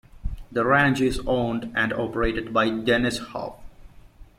The ranch is owned and operated by Dennis Hof.